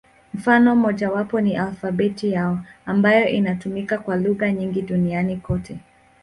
Mfano mmojawapo ni alfabeti yao, ambayo inatumika kwa lugha nyingi duniani kote.